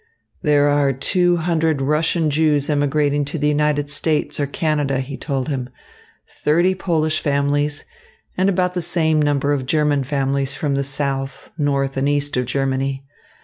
"There are two hundred Russian Jews emigrating to the United States or Canada," he told him, "thirty Polish families, and about the same number of German families from the south, north, and east of Germany.